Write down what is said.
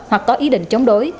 hoặc có ý định chống đối